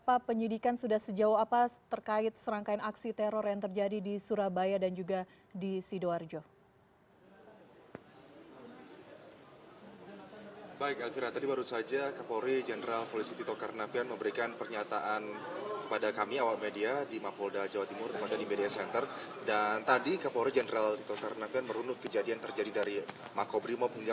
apa penyidikan sudah sejauh apa terkait serangkaian aksi teror yang terjadi di surabaya dan juga di sidoarjo